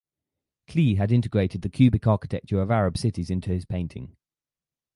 Klee had integrated the cubic architecture of Arab cities into his painting.